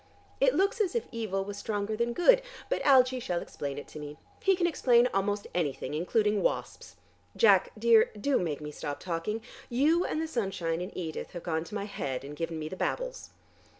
It looks as if evil was stronger than good, but Algie shall explain it to me. He can explain almost anything, including wasps. Jack, dear, do make me stop talking; you and the sunshine and Edith have gone to my head, and given me the babbles."